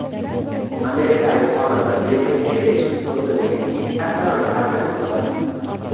Amerikalik xonanda Billi Aylish o‘zining ilk atirini taqdim qildi